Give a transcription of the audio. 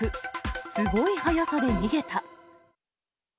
すごい速さで逃げた。